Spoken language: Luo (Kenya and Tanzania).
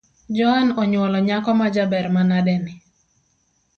Joan onywolo nyako majaber manade ni